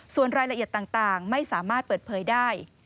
ส่วนรายละเอียดต่างไม่สามารถเปิดเผยได้